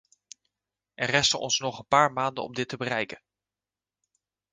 Er resten ons nog een paar maanden om dit te bereiken.